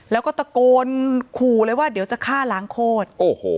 แล้วก็ตะโกนขู่เลยว่าเดี๋ยวจะฆ่าล้างโคตรโอ้โห